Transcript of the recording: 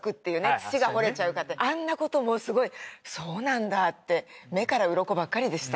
土が掘れちゃうからってあんなこともすごいそうなんだって目からウロコばっかりでした